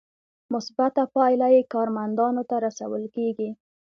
مثبته پایله یې کارمندانو ته رسول کیږي.